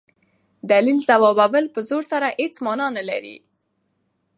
دلیل ځوابول په زور سره هيڅ مانا نه لري.